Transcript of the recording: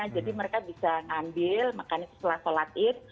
jadi mereka bisa ngambil makannya setelah sholat it